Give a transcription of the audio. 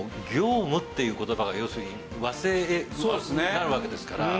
「ＧＹＯＭＵ」っていう言葉が要するに和製になるわけですから。